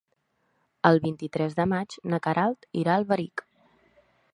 El vint-i-tres de maig na Queralt irà a Alberic.